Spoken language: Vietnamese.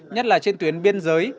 nhất là trên tuyến biên giới